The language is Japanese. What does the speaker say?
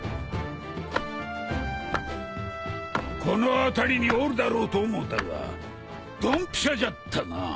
この辺りにおるだろうと思うたがどんぴしゃじゃったな。